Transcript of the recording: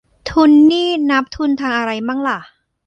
ทุนนี่นับทุนทางอะไรมั่งล่ะ